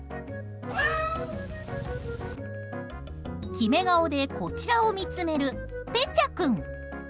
決め顔で、こちらを見つめるぺちゃ君。